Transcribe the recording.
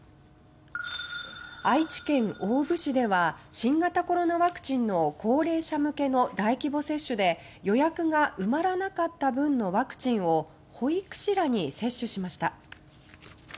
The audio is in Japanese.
愛知県大府市では新型コロナワクチンの高齢者向けの大規模接種で予約が埋まらなかった分のワクチンを保育士らに接種しました。